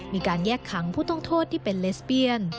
มีการแยกขังผู้ต้องโทษที่เป็นเลสเปียน